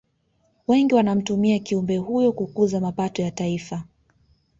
Wengi wanamtumia kiumbe huyo kukuza mapato ya taifa